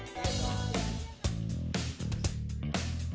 mereka mencari pilihan yang lebih baik